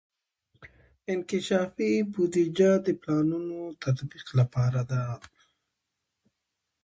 انکشافي بودیجه د پلانونو تطبیق لپاره ده.